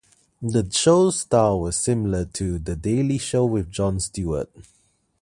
That show's style was similar to "The Daily Show with Jon Stewart".